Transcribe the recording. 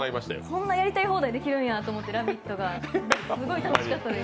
こんなやりたい放題できるんだって「ラヴィット！」が、すごい楽しかったです。